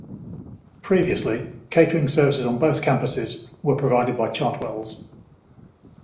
Previously, catering services on both campuses were provided by Chartwell's.